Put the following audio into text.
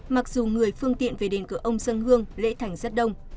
mặc dù người phương tiện về đền cửa ông dân hương lễ thành rất đông